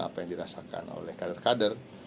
apa yang dirasakan oleh kader kader